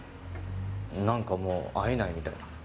なんかもう会えないみたいな。